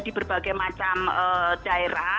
di berbagai macam daerah